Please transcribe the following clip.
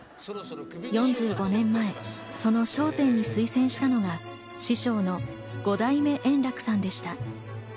４５年前、その『笑点』に推薦したのが師匠の５代目圓楽さんでした。